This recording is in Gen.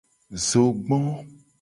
Zogbo.